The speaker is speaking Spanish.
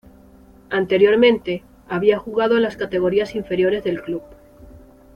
Anteriormente, había jugado en las categorías inferiores del club.